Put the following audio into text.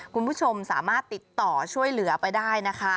คุณผู้ชมสามารถติดต่อช่วยเหลือไปได้นะคะ